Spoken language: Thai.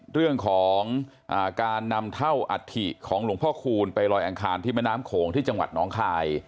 เรื่องของการนำเท่าอัฐิของหลวงพ่อคูณไปลอยอังคารที่แม่น้ำโขงที่จังหวัดน้องคาย